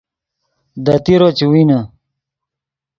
دے تیرو چے وینے